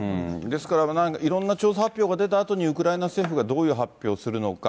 ですから、いろんな調査発表が出たあとにウクライナ政府がどういう発表をするのか。